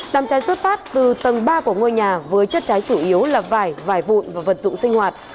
đám cháy xuất phát từ tầng ba của ngôi nhà với chất cháy chủ yếu là vải vải vụn và vật dụng sinh hoạt